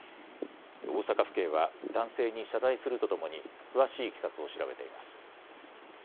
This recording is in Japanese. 大阪府警は男性に謝罪するとともに詳しいいきさつを調べています。